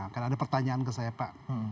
akan ada pertanyaan ke saya pak